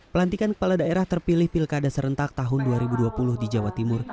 pelantikan kepala daerah terpilih pilkada serentak tahun dua ribu dua puluh di jawa timur